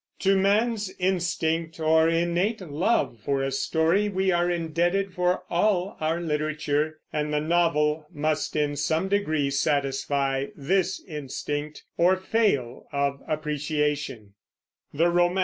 To man's instinct or innate love for a story we are indebted for all our literature; and the novel must in some degree satisfy this instinct, or fail of appreciation.